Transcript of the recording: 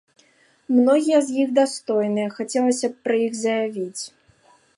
Многія з іх дастойныя, хацелася б пра іх заявіць.